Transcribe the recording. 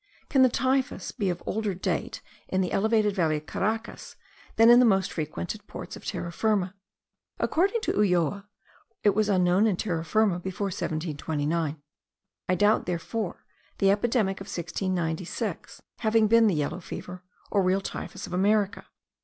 Can the typhus be of older date in the elevated valley of Caracas, than in the most frequented ports of Terra Firma. According to Ulloa, it was unknown in Terra Firma before 1729. I doubt, therefore, the epidemic of 1696 having been the yellow fever, or real typhus of America.